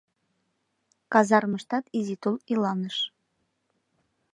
Казармыштат изи тул иланыш.